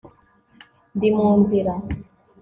ndi mu nzira